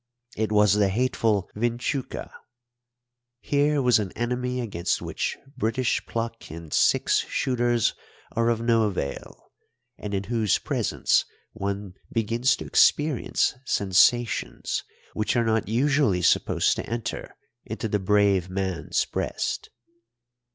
It was the hateful vinchuca. Here was an enemy against which British pluck and six shooters are of no avail, and in whose presence one begins to experience sensations which are not usually supposed to enter into the brave man's breast.